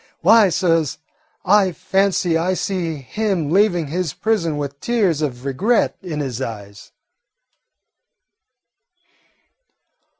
Why, suhs, I fancy I see him leaving his prison with tears of regret in his eyes."